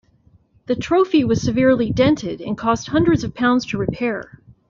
The trophy was severely dented, and cost hundreds of pounds to repair.